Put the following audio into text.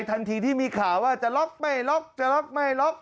ทันทีที่มีข่าวว่าจะล็อกไม่ล็อกจะล็อกไม่ล็อก